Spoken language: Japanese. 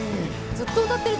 ずっと歌ってる。